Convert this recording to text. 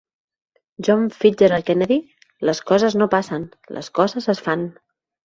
John Fitzgerald Kennedy: les coses no passen, les coses es fan.